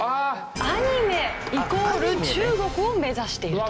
「アニメイコール中国」を目指していると。